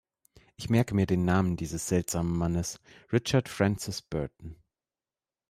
Ich merke mir den Namen dieses seltsamen Mannes: Richard Francis Burton.